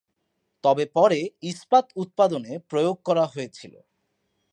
তবে পরে ইস্পাত উৎপাদনে প্রয়োগ করা হয়েছিল।